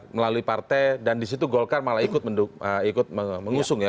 melalui partai dan disitu golkar malah ikut mengusung ya